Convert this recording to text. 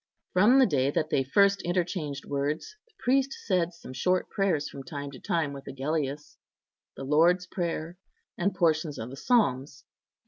From the day that they first interchanged words, the priest said some short prayers from time to time with Agellius—the Lord's Prayer, and portions of the Psalms.